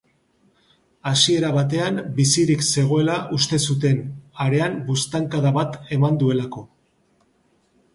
Hasiera batean bizirik zegoela uste zuten arean buztankada bat eman duelako.